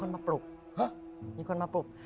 มีคนมาปลุก